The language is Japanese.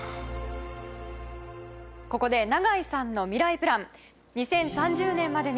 ここで永井さんのミライプラン